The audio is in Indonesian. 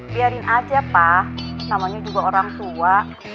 biarin aja pak namanya juga orang tua